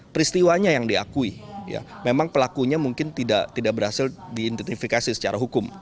peristiwanya yang diakui memang pelakunya mungkin tidak berhasil diidentifikasi secara hukum